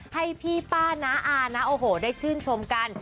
ให้พี่ป้าน้าอานะโอ้โหได้ชื่นชมกัน